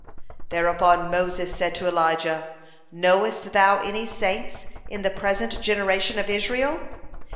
Thereupon Moses said to Elijah: "Knowest thou any saints in the present generation of Israel?"